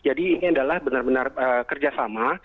jadi ini adalah benar benar kerjasama